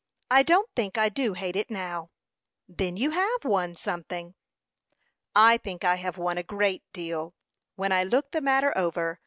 I don't think I do hate it now." "Then you have won something." "I think I have won a great deal, when I look the matter over.